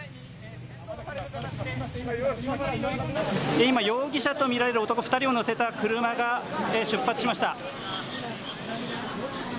今、容疑者と見られる男２人を乗せた車が出発しました。